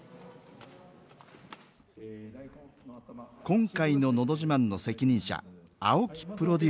今回の「のど自慢」の責任者青木プロデューサー。